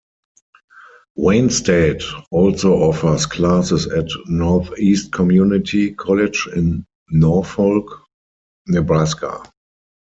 Wayne State also offers classes at Northeast Community College in Norfolk, Nebraska.